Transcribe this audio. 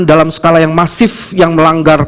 dalam skala yang masif yang melanggar